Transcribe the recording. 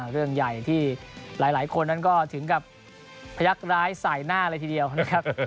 เรื่องใหญ่ที่หลายคนนั้นก็ถึงกับพยักร้ายใส่หน้าเลยทีเดียวนะครับ